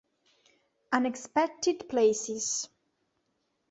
Unexpected Places